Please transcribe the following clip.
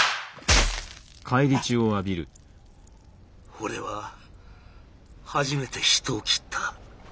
「俺は初めて人を斬った」。